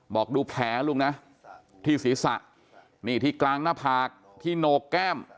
บอกดูแผลลุงนะที่ศีรษะนี่ที่กลางหน้าผากที่โหนกแก้ม